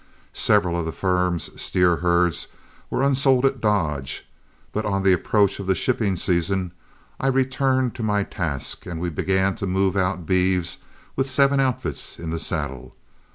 Several of the firm's steer herds were unsold at Dodge, but on the approach of the shipping season I returned to my task, and we began to move out our beeves with seven outfits in the saddle.